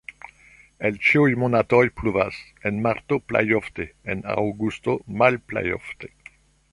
En ĉiuj monatoj pluvas, en marto plej ofte, en aŭgusto malplej ofte.